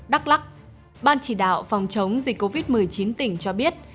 đắk lắc ban chỉ đạo phòng chống dịch covid một mươi chín tỉnh cho biết